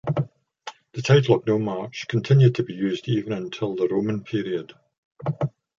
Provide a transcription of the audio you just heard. The title of nomarch continued to be used even until the Roman period.